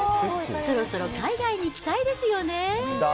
そろそろ海外に行きたいですよね。